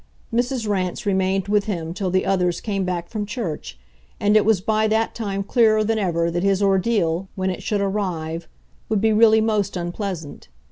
Mrs. Rance remained with him till the others came back from church, and it was by that time clearer than ever that his ordeal, when it should arrive, would be really most unpleasant.